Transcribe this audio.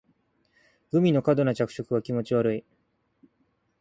グミの過度な着色は気持ち悪い